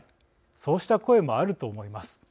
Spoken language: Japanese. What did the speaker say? そうした声もあると思います。